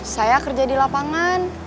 saya kerja di lapangan